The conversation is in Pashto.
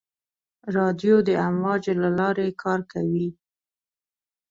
رادیو د امواجو له لارې کار کوي.